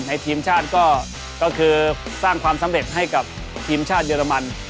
ทีมชาติก็คือสร้างความสำเร็จให้กับทีมชาติเยอรมัน